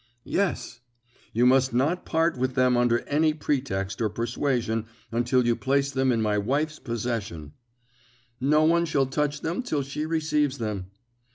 "Yes." "You must not part with them under any pretext or persuasion until you place them in my wife's possession." "No one shall touch them till she receives them."